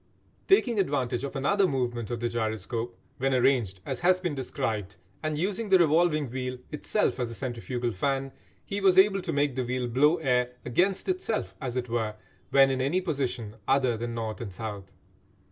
Taking advantage of another movement of the gyroscope when arranged as has been described, and using the revolving wheel itself as a centrifugal fan, he was able to make the wheel blow air "against itself," as it were, when in any position other than north and south.